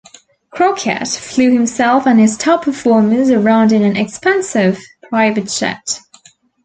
Crockett flew himself and his top performers around in an expensive private jet.